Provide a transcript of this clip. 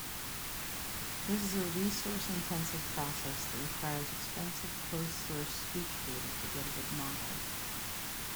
This is a resource-intensive process that requires expensive closed-source speech data to get a good model.